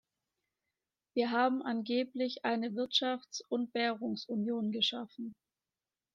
Wir haben angeblich eine Wirtschafts- und Währungsunion geschaffen.